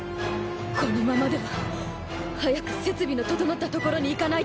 このままでは。早く設備の整った所に行かないと！